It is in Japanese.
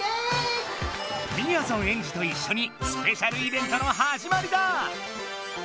みやぞんエンジといっしょにスペシャルイベントのはじまりだ！